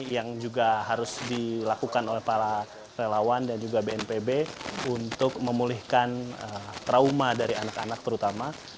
yang juga harus dilakukan oleh para relawan dan juga bnpb untuk memulihkan trauma dari anak anak terutama